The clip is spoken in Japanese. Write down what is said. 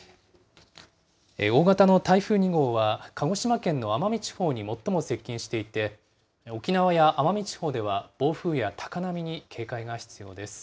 大型の台風２号は、鹿児島県の奄美地方に最も接近していて、沖縄や奄美地方では暴風や高波に警戒が必要です。